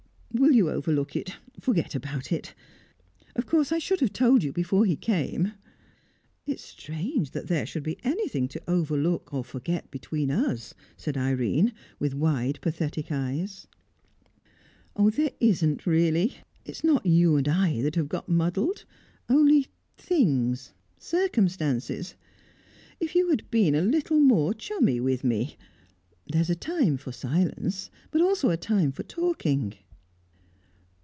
"Will you overlook it forget about it? Of course I should have told you before he came." "It's strange that there should be anything to overlook or forget between us," said Irene, with wide pathetic eyes. "There isn't really! It's not you and I that have got muddled only things, circumstances. If you had been a little more chummy with me. There's a time for silence, but also a time for talking."